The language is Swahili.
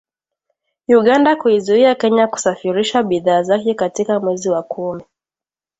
Uganda kuiuzia Kenya kusafirisha bidhaa zake katika mwezi wa kumi